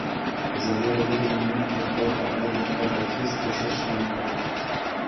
ازادي راډیو د د ځنګلونو پرېکول په اړه د هر اړخیز پوښښ ژمنه کړې.